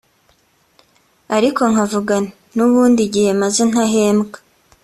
ariko nkavuga nti nubundi igihe maze ntahembwa